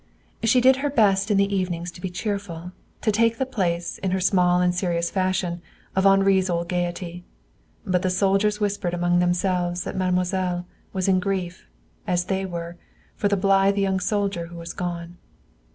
She did her best in the evenings to be cheerful, to take the place, in her small and serious fashion, of Henri's old gayety. But the soldiers whispered among themselves that mademoiselle was in grief, as they were, for the blithe young soldier who was gone.